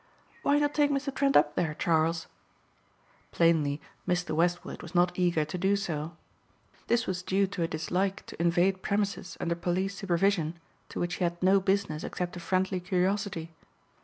"Why not take Mr. Trent up there, Charles?" Plainly Mr. Westward was not eager to do so. This was due to a dislike to invade premises under police supervision to which he had no business except a friendly curiosity.